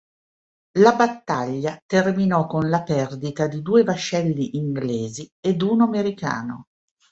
La battaglia terminò con la perdita di due vascelli inglesi ed uno americano.